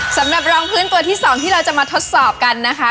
สำหรับรองพื้นตัวที่สองที่เราจะมาทดสอบกันนะคะ